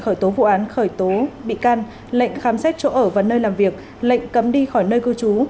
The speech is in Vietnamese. khởi tố vụ án khởi tố bị can lệnh khám xét chỗ ở và nơi làm việc lệnh cấm đi khỏi nơi cư trú